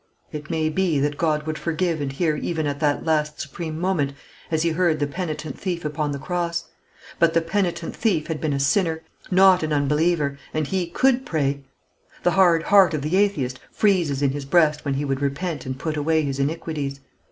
It may be that God would forgive and hear even at that last supreme moment, as He heard the penitent thief upon the cross; but the penitent thief had been a sinner, not an unbeliever, and he could pray. The hard heart of the atheist freezes in his breast when he would repent and put away his iniquities.